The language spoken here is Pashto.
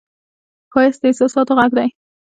ښایست د احساساتو غږ دی